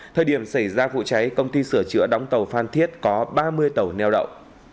thời điểm xảy ra vụ cháy công ty sửa chữa đóng tàu phan thiết có ba mươi tàu neo đậu